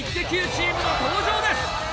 チームの登場です！